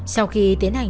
sau khi tiến hành